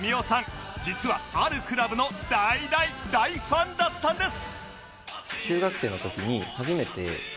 実はあるクラブの大大大ファンだったんです！